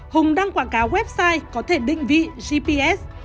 hùng đăng quảng cáo website có thể định vị gps